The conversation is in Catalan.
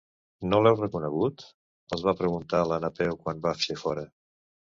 No l'heu reconegut? —els va preguntar la Napeu quan va ser fora.